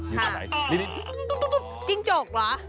จิ้งจกเหรอ